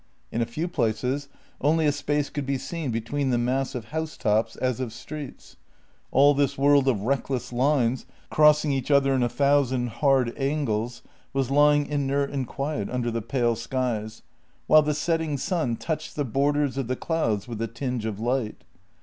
In a few places only a space could be seen between the mass of housetops, as of streets. All this world of reckless lines, crossing each other in a thousand hard angles, was lying inert and quiet under the pale skies, while the setting sun touched the borders of the clouds with a tinge of light.